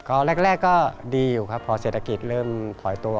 ก็แรกก็ดีอยู่ครับพอเศรษฐกิจเริ่มถอยตัว